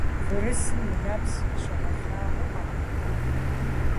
Бгырысым и нэпс щигъэлъагъуэ къэхъуа?